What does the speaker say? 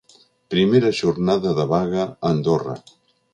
Primera jornada de vaga a Andorra.